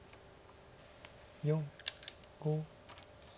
４５。